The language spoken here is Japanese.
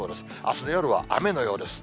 あすの夜は雨のようです。